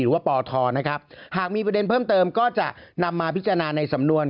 ว่าปทนะครับหากมีประเด็นเพิ่มเติมก็จะนำมาพิจารณาในสำนวน